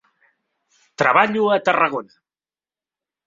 Treballo a Tarragona.